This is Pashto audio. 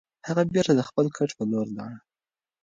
هغه بېرته د خپل کټ په لور لاړ.